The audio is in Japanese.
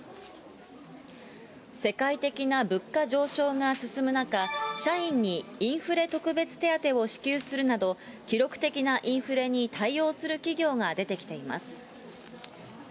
世界的な物価上昇が進む中、社員にインフレ特別手当を支給するなど、記録的なインフレに対応する企業が出てきています。